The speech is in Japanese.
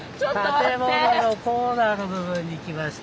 建物のコーナーの部分に来ました。